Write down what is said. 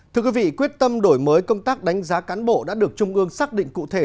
thưa quý vị quyết tâm đổi mới công tác đánh giá cán bộ đã được trung ương xác định cụ thể